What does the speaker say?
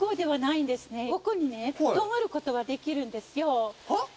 ここにね泊まる事ができるんですよ。